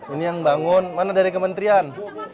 ini yang bangun mana dari kementerian